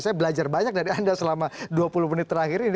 saya belajar banyak dari anda selama dua puluh menit terakhir ini